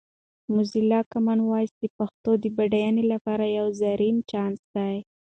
موزیلا کامن وایس د پښتو د بډاینې لپاره یو زرین چانس دی.